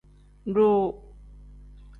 Duuu.